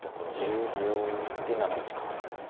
で７一角。